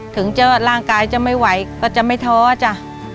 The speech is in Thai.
ถึงล่างกายจะไม่ไหวก็จะไม่ท้ออ่ะจ๊ะ